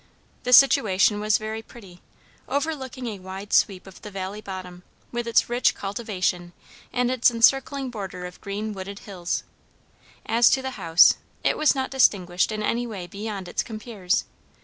The situation was very pretty, overlooking a wide sweep of the valley bottom, with its rich cultivation and its encircling border of green wooded hills. As to the house, it was not distinguished in any way beyond its compeers.